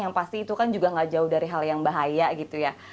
yang pasti itu kan juga gak jauh dari hal yang bahaya gitu ya